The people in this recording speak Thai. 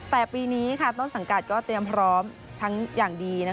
แต่ปีนี้ต้นสังกัดก็เตรียมพร้อมทั้งอย่างดี